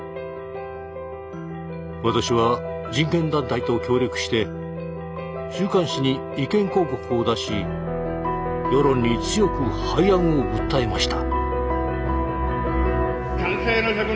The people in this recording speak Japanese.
私は人権団体と協力して週刊誌に意見広告を出し世論に強く廃案を訴えました。